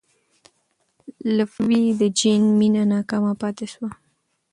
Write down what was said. لفروی د جین مینه ناکام پاتې شوه.